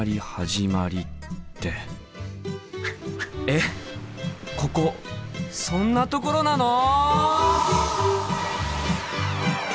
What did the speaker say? えっここそんなところなの！？